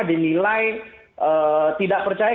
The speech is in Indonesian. dinilai tidak percaya